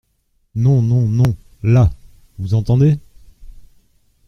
Non ! non ! non ! là… vous entendez ?